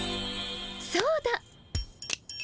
そうだ！